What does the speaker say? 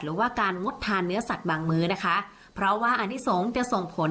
หรือว่าการงดทานเนื้อสัตว์บางมื้อนะคะเพราะว่าอันนี้สงฆ์จะส่งผล